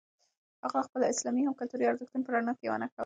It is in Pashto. هغه د خپلو اسلامي او کلتوري ارزښتونو په رڼا کې یوه نښه وه.